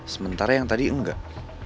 sementara yang tadi enggak